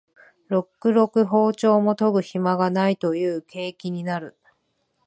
ろくろく庖丁も研ぐひまがないという景気になる